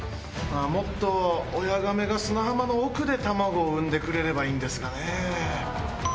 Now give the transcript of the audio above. もっと、親ガメが砂浜の奥で卵を産んでくれればいいんですがね。